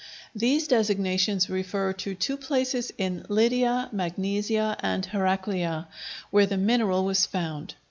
These designations refer to two places in Lydia, Magnesia and Herakleia, where the mineral was found.